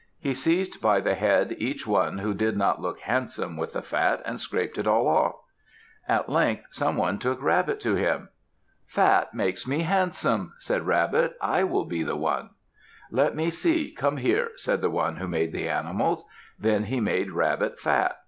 He seized by the head each one who did not look handsome with the fat, and scraped it all off. At length someone took Rabbit to him. "Fat makes me handsome," said Rabbit "I will be the one." "Let me see! Come here!" said the one who made the animals. Then he made Rabbit fat.